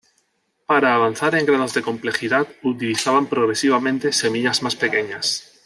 Para avanzar en grados de complejidad, utilizaban progresivamente semillas más pequeñas.